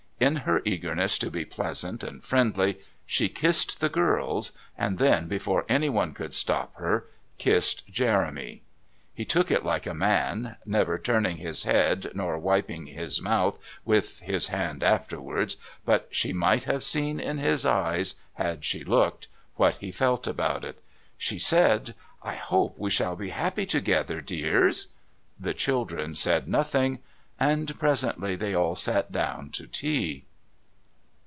In her eagerness to be pleasant and friendly she kissed the girls, and then, before anyone could stop her, kissed Jeremy. He took it like a man, never turning his head nor wiping his mouth with his hand afterwards, but she might have seen in his eyes, had she looked, what he felt about it. She said: "I hope we shall be happy together, dears." The children said nothing, and presently they all sat down to tea.